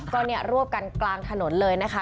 ก็รวบกันกลางถนนเลยนะคะ